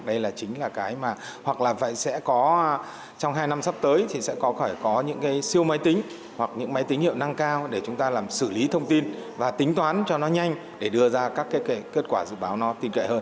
đây là chính là cái mà hoặc là sẽ có trong hai năm sắp tới thì sẽ có phải có những cái siêu máy tính hoặc những máy tính hiệu năng cao để chúng ta làm xử lý thông tin và tính toán cho nó nhanh để đưa ra các kết quả dự báo nó tin cậy hơn